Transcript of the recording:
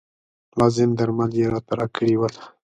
لازم درمل یې راته راکړي ول.